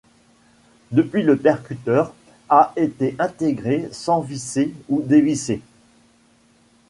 Depuis le percuteur a été intégré sans visser ou dévisser.